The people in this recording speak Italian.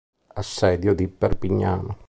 Assedio di Perpignano